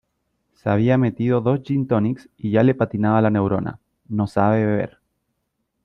Se había metido dos gintonics y ya le patinaba la neurona; no sabe beber.